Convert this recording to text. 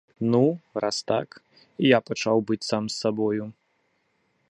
Ну, раз так, і я пачаў быць сам сабою.